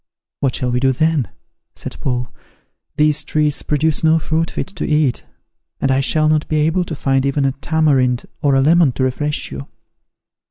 " "What shall we do then," said Paul; "these trees produce no fruit fit to eat; and I shall not be able to find even a tamarind or a lemon to refresh you."